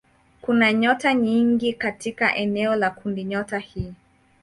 Kuna nyota nyingi katika eneo la kundinyota hii.